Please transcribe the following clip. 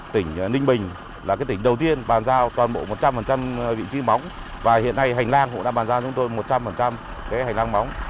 tỉnh ninh bình là cái tỉnh đầu tiên bàn giao toàn bộ một trăm linh vị trí bóng và hiện nay hành lang cũng đã bàn giao cho chúng tôi một trăm linh cái hành lang bóng